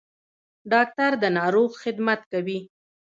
ډاکټر د ناروغ خدمت کوي